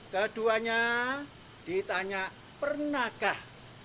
keduanya ditanya pernahkah